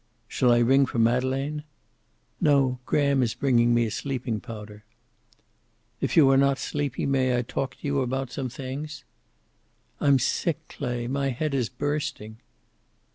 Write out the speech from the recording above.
"Shall I ring for Madeleine?" "No. Graham is bringing me a sleeping powder." "If you are not sleepy, may I talk to you about some things?" "I'm sick, Clay. My head is bursting."